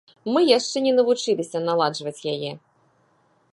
Мы яшчэ не навучыліся наладжваць яе.